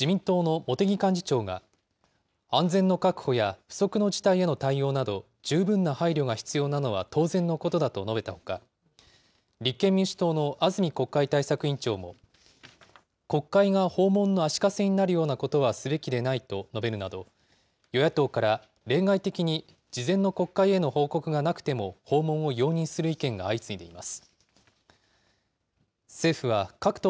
これについて自民党の茂木幹事長が、安全の確保や不測の事態への対応など十分な配慮が必要なのは当然のことだと述べたほか、立憲民主党の安住国会対策委員長も、国会が訪問の足かせになるようなことはすべきでないと述べるなど、与野党から例外的に事前の国会への報告がなくても訪問を容認する意見が相次いでいます。